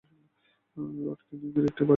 Lord ক্যানিং-এর একটি বাড়ি এখানে এখনও আছে।